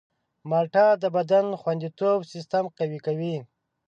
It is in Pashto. مالټه د بدن د خوندیتوب سیستم قوي کوي.